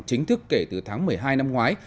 chính thức kể từ tháng một mươi hai năm ngoái